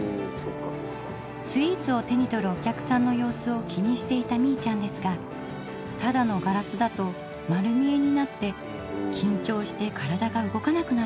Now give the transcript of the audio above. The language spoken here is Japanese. スイーツを手に取るお客さんの様子を気にしていたみいちゃんですがただのガラスだと丸見えになってきんちょうして体が動かなくなってしまいます。